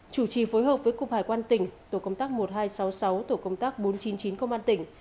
chủ trì phối hợp với cục hải quan tỉnh tổ công tác một nghìn hai trăm sáu mươi sáu tổ công tác bốn trăm chín mươi chín công an tỉnh